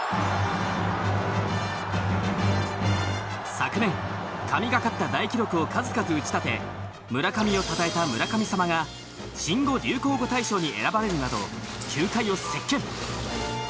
昨年神がかった大記録を数々打ち立て村上をたたえた「村神様」が新語・流行語大賞に選ばれるなど球界を席巻！